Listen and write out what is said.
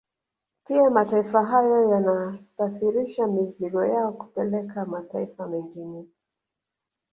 Pia mataifa hayo yanasafirisha mizigo yao kupeleka mataifa mengine